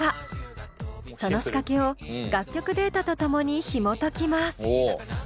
その仕掛けを楽曲データとともにひもときます。